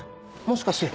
「もしかして。